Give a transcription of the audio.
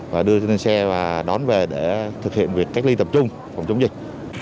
và đưa trên xe và đón về để thực hiện việc cách ly tập trung phòng chống dịch